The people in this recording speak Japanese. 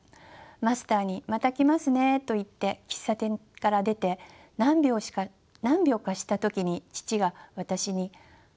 マスターにまた来ますねと言って喫茶店から出て何秒かした時に父が私に「あれ？